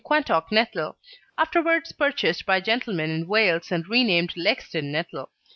Quantock Nettle, afterwards purchased by a gentleman in Wales and renamed Lexden Nettle.